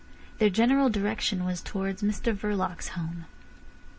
Their general direction was towards Mr Verloc's home.